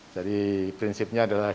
jadi prinsipnya adalah